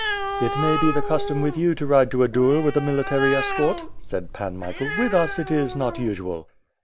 "It may be the custom with you to ride to a duel with a military escort," said Pan Michael. "With us it is not usual."